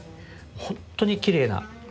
本当にきれいな。